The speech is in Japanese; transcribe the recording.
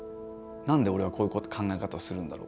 なんで俺はこういうこと考え方をするんだろう。